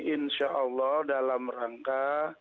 insya allah dalam rangka